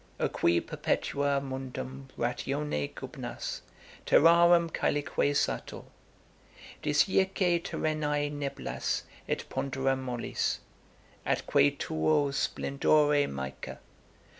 'O qui perpetuâ mundum ratione gubernas, Terrarum cælique sator! Disjice terrenæ nebulas et pondera molis, Atque tuo splendore mica!